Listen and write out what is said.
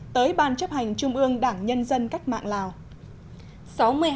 tới ban chấp hành trung ương đảng nhân dân cách mạng lào